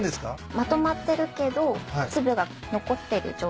まとまってるけど粒が残ってる状態で。